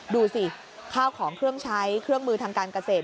ดูสิข้าวของเครื่องใช้เครื่องมือทางการเกษตร